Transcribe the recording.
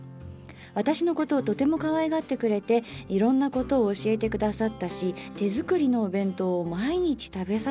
私のことをとても可愛がってくれていろんな事を教えてくださったし手作りのお弁当を毎日食べさせてもらった」。